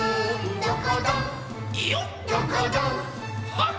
「どこどん」はっ！